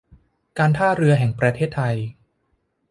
การท่าเรือแห่งประเทศไทย